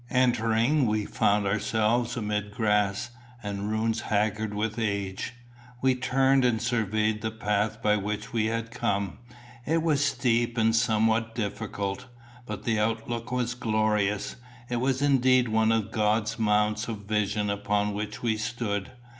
Entering, we found ourselves amidst grass, and ruins haggard with age. We turned and surveyed the path by which we had come. It was steep and somewhat difficult. But the outlook was glorious. It was indeed one of God's mounts of vision upon which we stood.